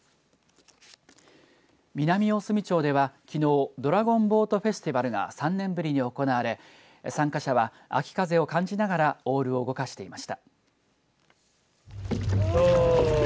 南大隅町ではきのうドラゴンボートフェスティバルが３年ぶりに行われ参加者は秋風を感じながらオールを動かしていました。